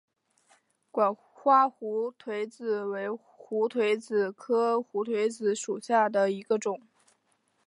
管花胡颓子为胡颓子科胡颓子属下的一个种。